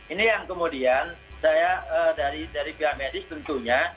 ini yang kemudian saya dari pihak medis tentunya